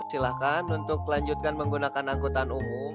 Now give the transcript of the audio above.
silahkan untuk lanjutkan menggunakan angkutan umum